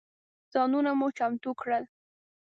ځانونه مو چمتو کړل.